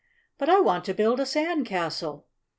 "But I want to build a sand castle."